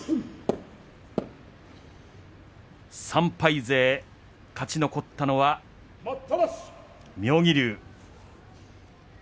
３敗勢、勝ち残ったのは妙義龍。